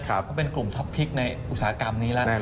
ก็เป็นกลุ่มท็อปพลิกในอุตสาหกรรมนี้แล้ว